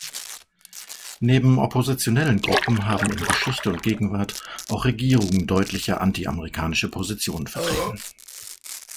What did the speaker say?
Neben oppositionellen Gruppen haben in Geschichte und Gegenwart auch Regierungen deutliche antiamerikanische Positionen vertreten.